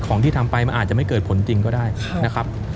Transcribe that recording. ที่ทำไปมันอาจจะไม่เกิดผลจริงก็ได้นะครับ